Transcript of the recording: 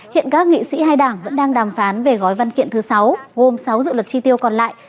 hiện các nghị sĩ hai đảng vẫn đang đàm phán về gói văn kiện thứ sáu gồm sáu dự luật tri tiêu còn lại